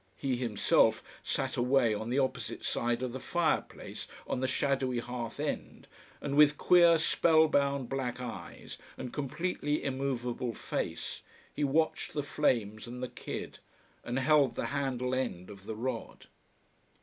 He himself sat away on the opposite side of the fire place, on the shadowy hearth end, and with queer, spell bound black eyes and completely immovable face, he watched the flames and the kid, and held the handle end of the rod.